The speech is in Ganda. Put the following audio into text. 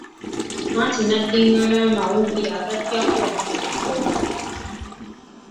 Anti n'addingana amawolu yagaggyako omukkuto.